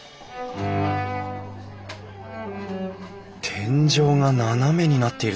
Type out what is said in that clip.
天井が斜めになっているぞ。